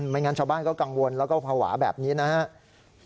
ไม่งั้นชาวบ้านก็กังวลแล้วก็ภาวะแบบนี้นะครับ